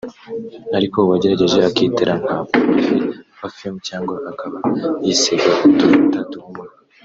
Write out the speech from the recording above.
ariko uwagerageje akitera ka parufe(parfum) cyangwa akaba yisiga utuvuta duhumura